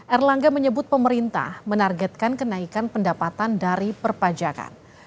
erlangga menyebut pemerintah menargetkan kenaikan pendapatan dari perpajakan